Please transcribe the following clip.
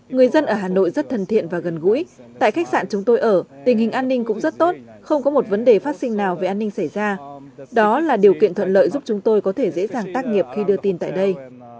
người dân ở hà nội rất thần thiện và gần gũi tại khách sạn chúng tôi ở tình hình an ninh cũng rất tốt không có một vấn đề phát sinh nào về an ninh xảy ra đó là điều kiện thuận lợi giúp chúng tôi có thể dễ dàng tác nghiệp khi đưa tin tại đây